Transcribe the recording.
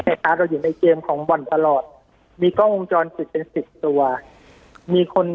ปากกับภาคภูมิ